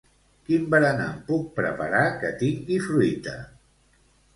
Quin berenar em puc preparar que tingui fruita?